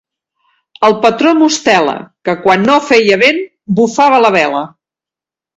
El patró Mostela, que quan no feia vent, bufava a la vela.